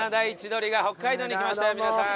皆さん。